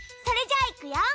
それじゃあいくよ。